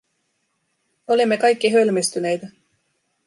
Olimme kaikki hölmistyneitä.